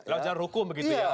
lajar hukum begitu ya